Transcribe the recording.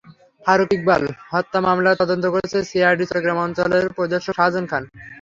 ফারুক ইকবাল হত্যা মামলার তদন্ত করছেন সিআইডির চট্টগ্রাম অঞ্চলের পরিদর্শক শাহজাহান খান।